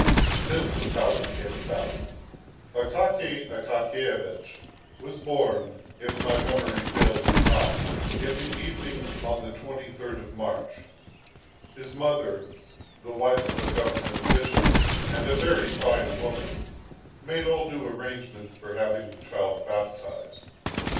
This was how it came about. Akaky Akakiyevich was born, if my memory fails me not, in the evening on the 23rd of March. His mother, the wife of a Government official, and a very fine woman, made all due arrangements for having the child baptised.